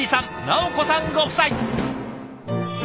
奈央子さんご夫妻。